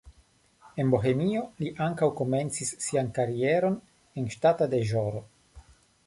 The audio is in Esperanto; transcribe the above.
En Bohemio li ankaŭ komencis sian karieron en ŝtata deĵoro.